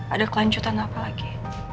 ada kelanjutan apa lagi